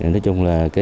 nói chung là